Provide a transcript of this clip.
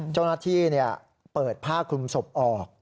เจ้าหน้าที่เปิดผ้าคลุมศพออก